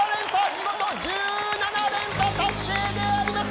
見事１７連覇達成であります！